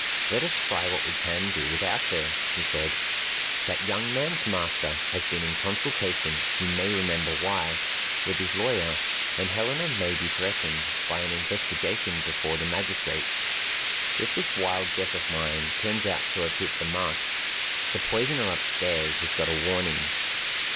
"Let us try what we can do without her," he said. "That young man's master has been in consultation (you may remember why) with his lawyer, and Helena may be threatened by an investigation before the magistrates. If this wild guess of mine turns out to have hit the mark, the poisoner upstairs has got a warning."